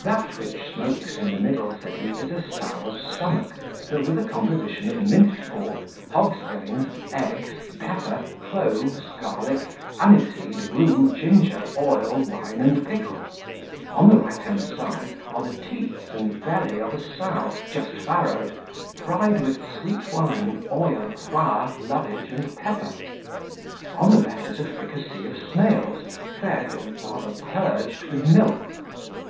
"That which smokes in the middle," said he, "is a sow's stomach, filled with a composition of minced pork, hog's brains, eggs, pepper, cloves, garlic, aniseed, rue, ginger, oil, wine, and pickle. On the right hand side are the teats and belly of a sow, just farrowed, fried with sweet wine, oil, flour, lovage, and pepper. On the left is a fricassee of snails, fed, or rather purged, with milk.